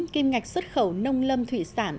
kim ngạch xuất khẩu nông lâm thủy sản